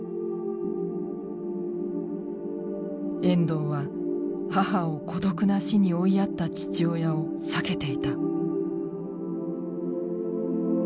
遠藤は母を孤独な死に追いやった父親を避けていた。